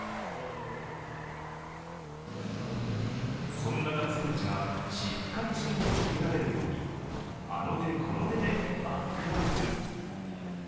そんな学生たちが、しっかり試験を受けられるようにあの手この手でバックアップ。